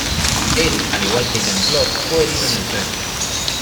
Él al igual que Jean-Claude fue herido en el frente.